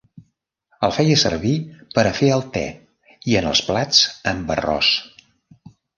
El feia servir per a fer el te i en els plats amb arròs.